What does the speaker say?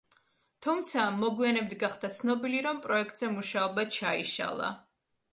თუმცა მოგვიანებით გახდა ცნობილი, რომ პროექტზე მუშაობა ჩაიშალა.